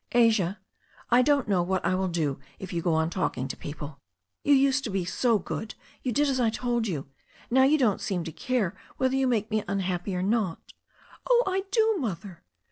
"Asia, I don't know what I will do if you go on talking to people. You used to be so good. You did as I told you. Now you don't seem to care whether you make me unhappy or not *' "Oh, I do. Mother."